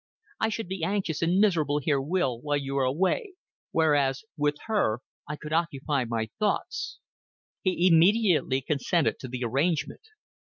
"I should be anxious and miserable here, Will, while you were away whereas with her I could occupy my thoughts." He immediately consented to the arrangement.